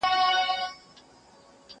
مه ځه پر هغه لار چي نه دي مور ځي نه دي پلار.